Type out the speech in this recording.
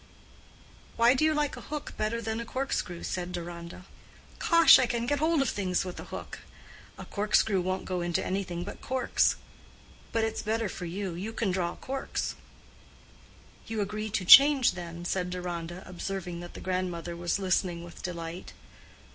"Why do you like a hook better than a cork screw?" said Deronda. "'Caush I can get hold of things with a hook. A cork screw won't go into anything but corks. But it's better for you, you can draw corks." "You agree to change, then?" said Deronda, observing that the grandmother was listening with delight.